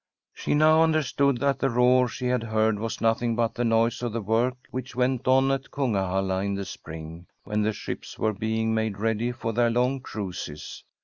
She now understood that the roar she had heard was nothing but the noise of the work which went on at Kungahalla in the spring, when the ships were being made ready for their lone cruises.